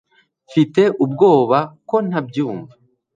Mfite ubwoba ko ntabyumva